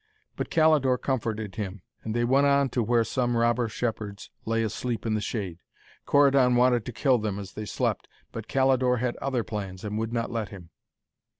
But Calidore comforted him, and they went on to where some robber shepherds lay asleep in the shade. Corydon wanted to kill them as they slept, but Calidore had other plans, and would not let him.